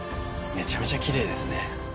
めちゃめちゃキレイですね。